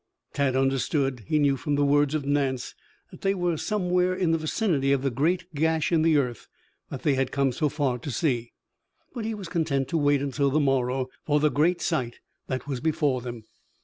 Tad understood. He knew from the words of Nance that they were somewhere in the vicinity of the great gash in the earth that they had come so far to see. But he was content to wait until the morrow for the great sight that was before them.